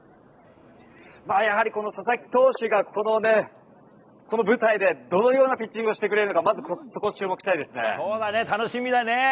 やはりこの佐々木投手が、このね、この舞台でどのようなピッチングをしてくれるのか、そうだね、楽しみだね。